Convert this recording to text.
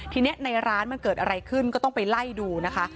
ทีนี้ในร้านมันเกิดอะไรขึ้นก็ต้องไปไล่ดูนะคะ